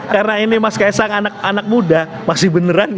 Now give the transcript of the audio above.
serunya karena ini mas khaesang anak anaknya itu masih berada di sini